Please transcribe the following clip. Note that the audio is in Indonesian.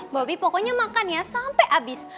bobby pokoknya makan ya sampe habis